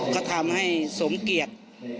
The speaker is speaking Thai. ก็ทำให้สมเกียจ